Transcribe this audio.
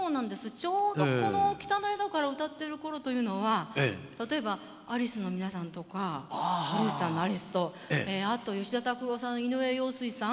ちょうどこの「北の宿から」を歌ってる頃というのは例えばアリスの皆さんとか堀内さんのアリスとあと吉田拓郎さん井上陽水さん